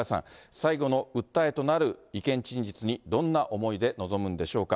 最後の訴えとなる意見陳述にどんな思いで臨むんでしょうか。